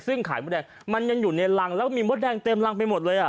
ซึ่งขายมดแดงมันยังอยู่ในรังแล้วก็มีมดแดงเต็มรังไปหมดเลยอ่ะ